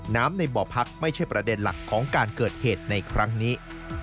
ในบ่อพักไม่ใช่ประเด็นหลักของการเกิดเหตุในครั้งนี้